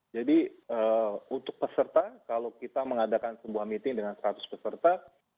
jadi untuk peserta kalau kita mengadakan sebuah meeting dengan seratus peserta